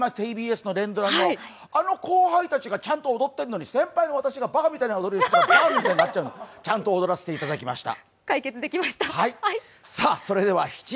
今ＴＢＳの連ドラの、あの後輩たちがちゃんと踊ってるのに先輩の私がばかみたいになっちゃう、ちゃんと踊らせていただきました。